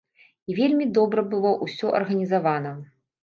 І вельмі добра было ўсё арганізавана.